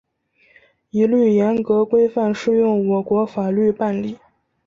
一律严格、规范适用我国法律办理